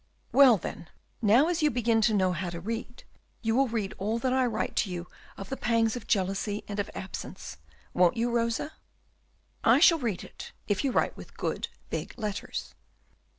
"Well, then, now as you begin to know how to read you will read all that I write to you of the pangs of jealousy and of absence, won't you, Rosa?" "I shall read it, if you write with good big letters."